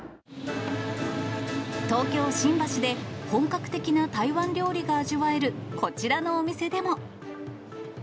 東京・新橋で、本格的な台湾料理が味わえるこちらのお店でも。